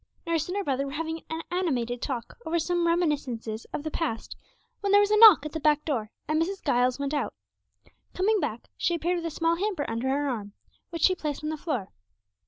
Nurse and her brother were having an animated talk over some reminiscences of the past, when there was a knock at the back door, and Mrs. Giles went out. Coming back, she appeared with a small hamper under her arm, which she placed on the floor.